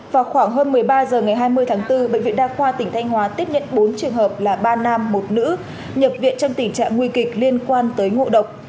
vào khoảng hơn một mươi ba h ngày hai mươi tháng bốn bệnh viện đa khoa tỉnh thanh hóa tiếp nhận bốn trường hợp là ba nam một nữ nhập viện trong tình trạng nguy kịch liên quan tới ngộ độc